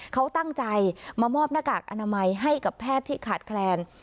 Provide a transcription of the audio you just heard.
เขาตั้งใจมามอบหน้ากากอนามัยให้กับแพทย์ที่ขาดแคลน